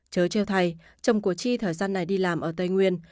chớ treo thay chồng của chi thời gian này đi làm ở tây nguyên